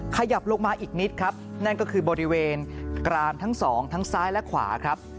ขยับลงมาอีกนิดครับนั่นก็คือบริเวณกรามทั้งสองทั้งซ้ายและขวาครับ